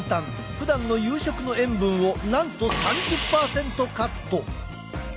ふだんの夕食の塩分をなんと３０％カット。